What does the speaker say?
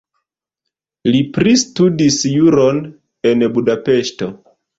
Li pristudis juron en Budapeŝto.